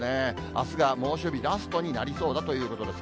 あすが猛暑日ラストになりそうだということです。